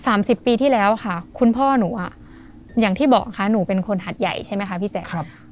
สิบปีที่แล้วค่ะคุณพ่อหนูอ่ะอย่างที่บอกค่ะหนูเป็นคนหัดใหญ่ใช่ไหมคะพี่แจ๊คครับ